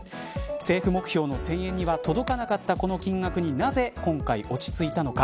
政府目標の１０００円には届かなかったこの金額になぜ今回落ち着いたのか。